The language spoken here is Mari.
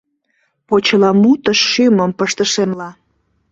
Почеламутыш шÿмым пыштышемла